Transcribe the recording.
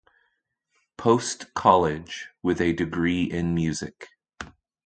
Post College with a degree in music.